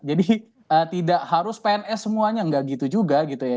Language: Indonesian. jadi tidak harus pns semuanya nggak gitu juga gitu ya